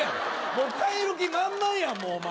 もう帰る気満々やんもうお前